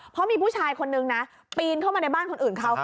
เพราะมีผู้ชายคนนึงนะปีนเข้ามาในบ้านคนอื่นเขา